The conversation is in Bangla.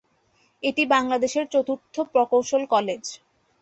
এটি বাংলাদেশের চতুর্থ প্রকৌশল কলেজ।